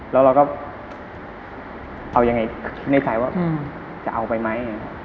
แล้วเราก็เอายังไงในใจว่าจะเอาไปไหม